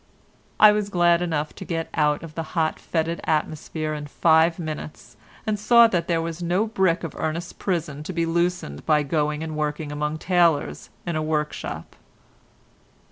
I was glad enough to get out of the hot, fetid atmosphere in five minutes, and saw that there was no brick of Ernest's prison to be loosened by going and working among tailors in a workshop.